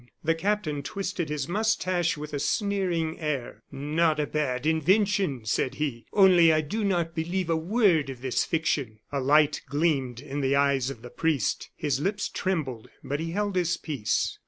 The captain twisted his mustache with a sneering air. "Not a bad invention!" said he. "Only I do not believe a word of this fiction." A light gleamed in the eyes of the priest, his lips trembled, but he held his peace.